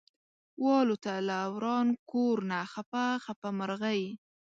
والوته له وران کور نه خپه خپه مرغۍ